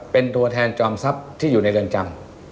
เป็นตัวแทนจอมทรัพย์ที่อยู่ในเรือนจำ